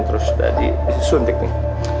terus udah disuntik nih